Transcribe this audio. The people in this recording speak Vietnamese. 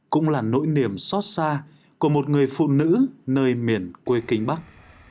cũng là nỗi niềm xót xa của một người phụ nữ nơi miền quê kinh bắc